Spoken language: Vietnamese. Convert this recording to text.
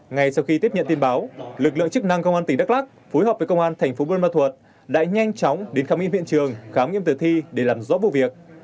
ngay sau khi tiếp nhận tin báo lực lượng chức năng công an tỉnh đắk lắc phối hợp với công an thành phố buôn ma thuật đã nhanh chóng đến khám nghiệm hiện trường khám nghiệm tử thi để làm rõ vụ việc